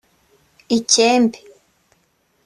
icyembe